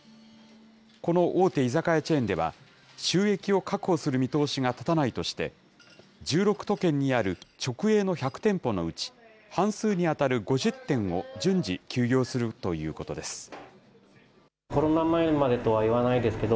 この大手居酒屋チェーンでは、収益を確保する見通しが立たないとして、１６都県にある直営の１００店舗のうち、半数に当たる５０店を順次休業するということです。